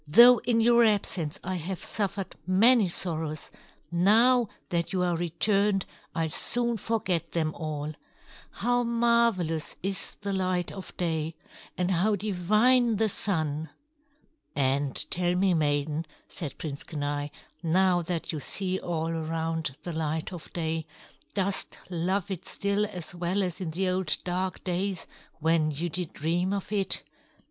"Though in your absence I have suffered many sorrows, now that you are returned, I'll soon forget them all. How marvelous is the light of day! And how divine the Sun!" "And tell me, maiden," said Prince Kenai, "now that you see all around the light of day, dost love it still as well as in the old dark days when you did dream of it?"